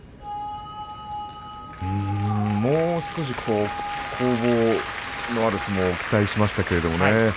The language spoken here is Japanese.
もう少し、攻防のある相撲を期待しましたけどね